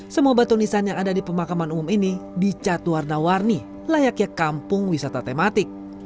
semua batu nisan yang ada di pemakaman umum ini dicat warna warni layaknya kampung wisata tematik